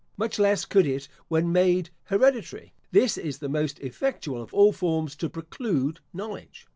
Much less could it when made hereditary. This is the most effectual of all forms to preclude knowledge.